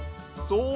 そう！